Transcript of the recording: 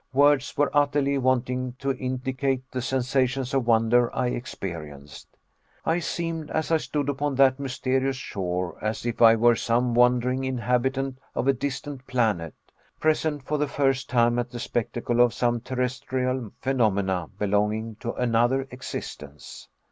Words were utterly wanting to indicate the sensations of wonder I experienced. I seemed, as I stood upon that mysterious shore, as if I were some wandering inhabitant of a distant planet, present for the first time at the spectacle of some terrestrial phenomena belonging to another existence.